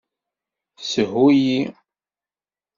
Shu-iyi.